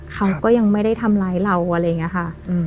เขาก็ยังไม่ได้ทำร้ายเราอะไรอย่างนี้ค่ะ